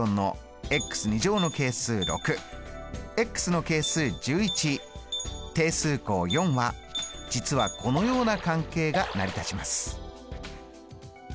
の係数１１定数項４は実はこのような関係が成り立ちます。